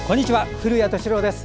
古谷敏郎です。